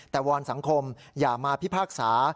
แต่วอนสังคมอย่ามาพิพากษา